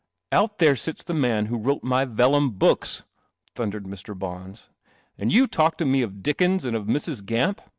" Out there sits the man who wrote my vel lum books!' thundered Mr. Bons, "and you talk to me of Dickens and of Mrs. Gamp?